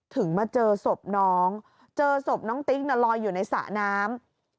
มาเจอศพน้องเจอศพน้องติ๊กน่ะลอยอยู่ในสระน้ำ